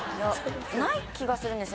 ない気がするんですよね。